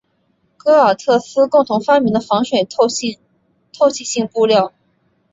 戈尔特斯共同发明的防水透气性布料。